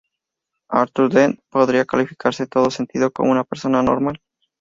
Arthur Dent podría calificarse en todo sentido como una persona normal.